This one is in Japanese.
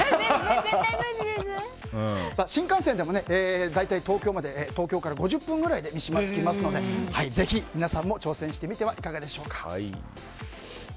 新幹線でも大体東京から５０分ぐらいで三島に着きますのでぜひ皆さんも挑戦してみてはいかがでしょうか。